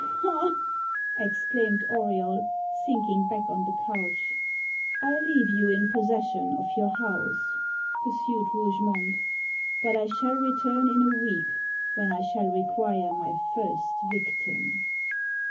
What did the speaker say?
"Ha!" exclaimed Auriol, sinking back on the couch. "I leave you in possession of your house," pursued Rougemont; "but I shall return in a week, when I shall require my first victim."